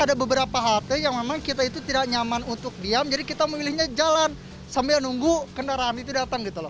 ada beberapa halte yang memang kita itu tidak nyaman untuk diam jadi kita memilihnya jalan sambil menunggu kendaraan itu datang gitu loh